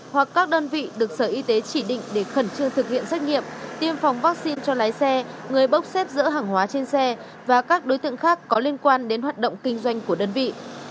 hoặc các đơn vị được sở y tế chỉ định để khẩn trương thực hiện xét nghiệm tiêm phòng vaccine cho lái xe người bốc xếp giữa hàng hóa trên xe và các đối tượng khác có liên quan đến hoạt động kinh doanh của đơn vị